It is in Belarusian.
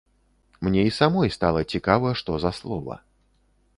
Мне і самой стала цікава, што за слова.